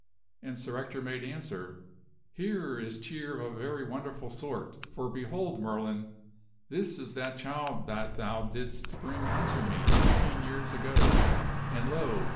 " And Sir Ector made answer, " Here is cheer of a very wonderful sort; for, behold, Merlin! this is that child that thou didst bring unto me eighteen years ago, and, lo!